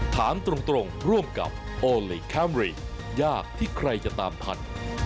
ถามตรงร่วมกับโอลี่คัมรี่ยากที่ใครจะตามทัน